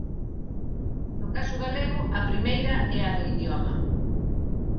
No caso galego a primeira é a do idioma.